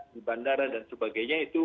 di bandara dan sebagainya itu